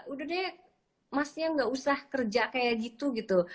udah deh masnya nggak usah kerja kayak gitu gitu